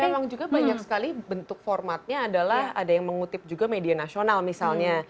tapi memang juga banyak sekali bentuk formatnya adalah ada yang mengutip juga media nasional misalnya